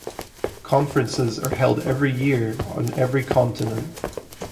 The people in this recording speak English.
Conferences are held each year on every continent.